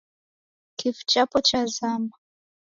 Kifu chapo chazama.